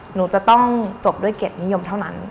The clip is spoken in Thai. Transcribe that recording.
หนูจะต้องจบด้วยเกียรตินิยมเท่านั้น